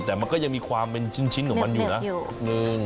แต่มันก็ยังมีความเป็นชิ้นของมันอยู่นะ